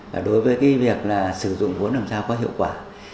làm sao có hiệu quả